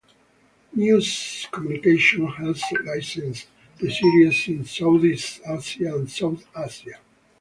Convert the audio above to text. Muse Communication has licensed the series in Southeast Asia and South Asia.